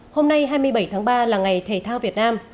hôm nay hai mươi bảy tháng ba là ngày thể thao việt nam